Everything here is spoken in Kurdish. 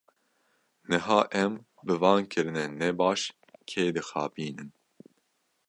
Niha em, bi van kirinên nebaş kê dixapînin?